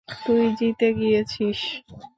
তুই জিতে গিয়েছিস!